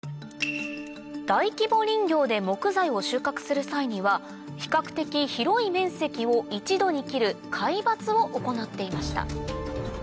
大規模林業で木材を収穫する際には比較的広い面積を一度に切る皆伐を行っていました